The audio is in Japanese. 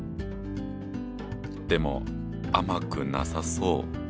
でも甘くなさそう。